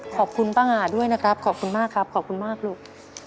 ขอบคุณป้าหาด้วยนะครับขอบคุณมากครับขอบคุณมากลูก